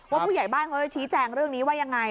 ผู้ใหญ่บ้านเขาจะชี้แจงเรื่องนี้ว่ายังไง